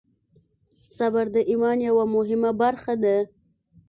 صبر د ایمان یوه مهمه برخه ده.